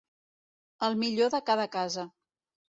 El millor de cada casa.